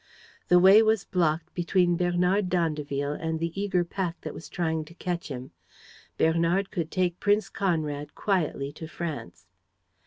The way was blocked between Bernard d'Andeville and the eager pack that was trying to catch him. Bernard could take Prince Conrad quietly to France.